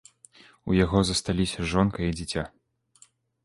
У яго засталіся жонка і дзіця.